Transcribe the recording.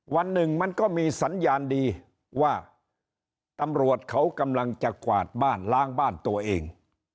วันหนึ่งมันก็มีสัญญาณดีว่าตำรวจเขากำลังจะกวาดบ้านล้างบ้านตัวเอง